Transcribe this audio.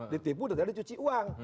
ditipu ternyata dicuci uang